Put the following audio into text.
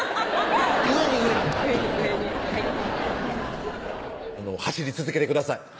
上に上に上に上にはい走り続けてください